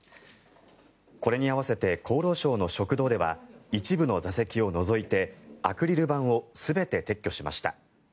これに合わせて厚労省の食堂では一部の座席を除いてアクリル板を全て撤去しました。